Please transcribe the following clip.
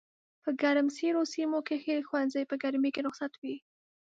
په ګرمسېرو سيمو کښي ښوونځي په ګرمۍ کي رخصت وي